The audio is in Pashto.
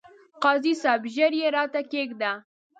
قاضي صاحب! ژر يې راته کښېږده ،